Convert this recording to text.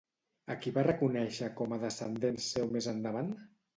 A qui va reconèixer com a descendent seu més endavant?